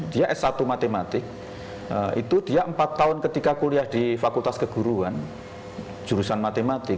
dia s satu matematik itu dia empat tahun ketika kuliah di fakultas keguruan jurusan matematik